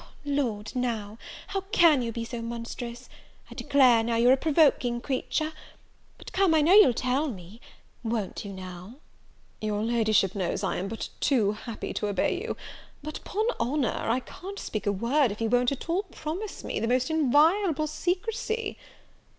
"Lord, now, how can you be so monstrous? I declare, now, you're a provoking creature! But come, I know you'll tell me; won't you now?" "Your La'ship knows I am but too happy to obey you; but, 'pon honour, I can't speak a word, if you won't all promise me the most inviolable secrecy."